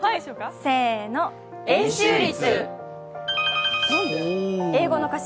せーの、円周率。